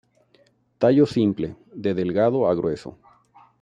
Tallo simple, de delgado a grueso.